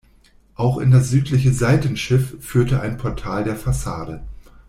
Auch in das südliche Seitenschiff führt ein Portal der Fassade.